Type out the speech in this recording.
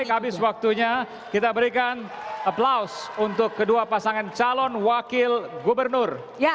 muda petani habis habis waktunya kita berikan aplaus untuk kedua pasangan calon wakil gubernur ya